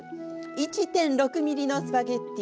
１．６ｍｍのスパゲッティ。